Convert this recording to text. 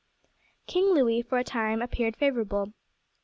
King Louis for a time appeared favourable.